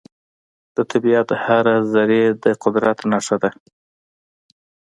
د طبیعت هره ذرې د قدرت نښه ده.